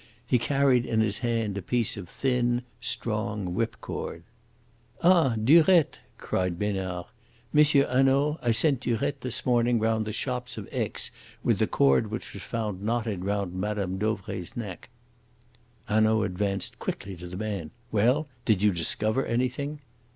He carried in his hand a piece of thin, strong whipcord. "Ah, Durette!" cried Besnard. "Monsieur Hanaud, I sent Durette this morning round the shops of Aix with the cord which was found knotted round Mme. Dauvray's neck." Hanaud advanced quickly to the man. "Well! Did you discover anything?"